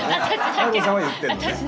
華子さんは言ってるのね。